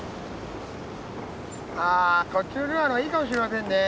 あこっちのルアーの方がいいかもしれませんね。